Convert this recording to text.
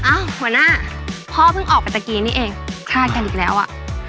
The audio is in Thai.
หัวหน้าพ่อเพิ่งออกไปตะกี้นี่เองคลาดกันอีกแล้วอ่ะ